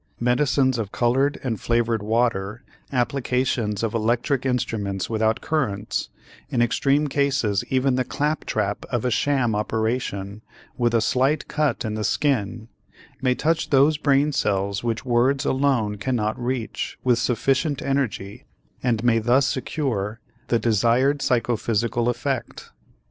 Medicines of colored and flavored water, applications of electric instruments without currents, in extreme cases even the claptrap of a sham operation with a slight cut in the skin, may touch those brain cells which words alone cannot reach with sufficient energy and may thus secure the desired psychophysical effect.